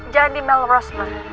jangan di melrose ma